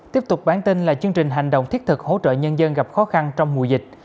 tiếp tục bản tin là chương trình hành động thiết thực hỗ trợ nhân dân gặp khó khăn trong mùa dịch